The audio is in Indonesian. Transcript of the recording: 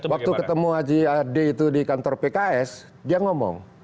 waktu ketemu haji ad itu di kantor pks dia ngomong